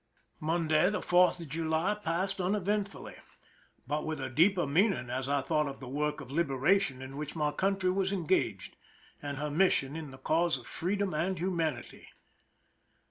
Monday, the Fourth of July, passed uneventfully, but with a deeper meaning as I thought of the work of liberation in which my country was engaged, and her mission in the cause of freedom and humanity.